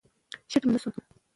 شیټ مات نه شو.